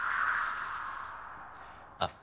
あっ